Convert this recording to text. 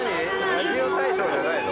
ラジオ体操じゃないの？